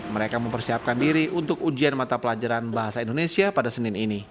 mereka mempersiapkan diri untuk ujian mata pelajaran bahasa indonesia pada senin ini